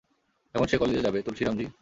এখন সে কলেজে যাবে, তুলসিরাম জি।